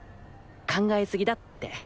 考えすぎだって。